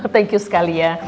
thank you sekali ya